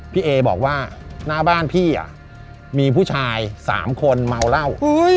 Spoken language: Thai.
พี่เอบอกว่าหน้าบ้านพี่มีผู้ชาย๓คนเมาเหล้า